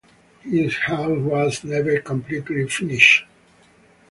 His house was never completely finished.